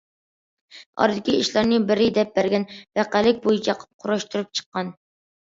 ئارىدىكى ئىشلارنى بىرى دەپ بەرگەن ۋەقەلىك بويىچە قۇراشتۇرۇپ چىققان.